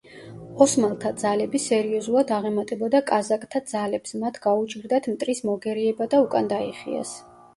ოსმალთა ძალები სერიოზულად აღემატებოდა კაზაკთა ძალებს, მათ გაუჭირდათ მტრის მოგერიება და უკან დაიხიეს.